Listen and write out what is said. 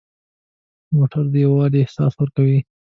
موټر د یووالي احساس ورکوي.